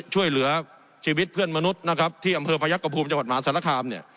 ช่วยเหลือชีวิตเพื่อนมนุษย์ที่อำเภอพระยักษ์กระภูมิจังหวัดมหาศาลคาม